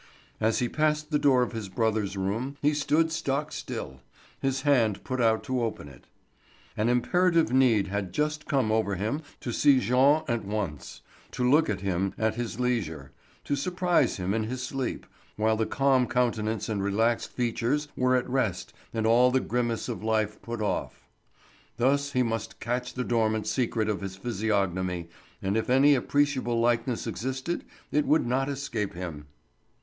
As he passed the door of his brother's room he stood stock still, his hand put out to open it. An imperative need had just come over him to see Jean at once, to look at him at his leisure, to surprise him in his sleep, while the calm countenance and relaxed features were at rest and all the grimace of life put off. Thus he might catch the dormant secret of his physiognomy, and if any appreciable likeness existed it would not escape him.